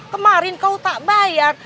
kemarin kau tak bayar